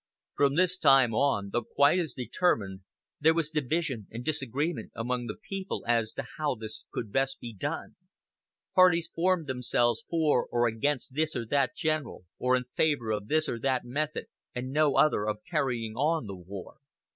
From this time on, though quite as determined, there was division and disagreement among the people as to how this could best be done. Parties formed themselves for or against this or that general, or in favor of this or that method and no other of carrying on the war.